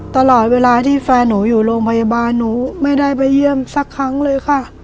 ตลอดเวลาที่แฟนหนูอยู่โรงพยาบาลหนูไม่ได้ไปเยี่ยมสักครั้งเลยค่ะ